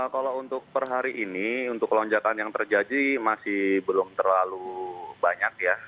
kalau untuk per hari ini untuk lonjakan yang terjadi masih belum terlalu banyak ya